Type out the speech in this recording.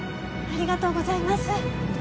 ありがとうございます。